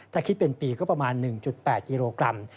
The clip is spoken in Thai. ถ้าคิดเป็นปีก็ประมาณ๑๘กิโลกรัม